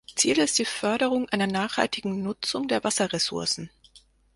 Ziel ist die Förderung einer nachhaltigen Nutzung der Wasserressourcen.